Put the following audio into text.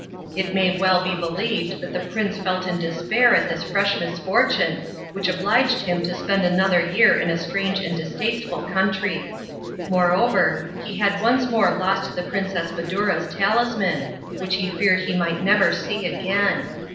It may well be believed that the prince felt in despair at this fresh misfortune, which obliged him to spend another year in a strange and distasteful country. Moreover, he had once more lost the Princess Badoura's talisman, which he feared he might never see again.